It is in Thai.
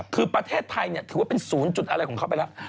คือประเทศไทยถือว่าเป็นศูนย์จุดอะไรของเขาไปแล้ว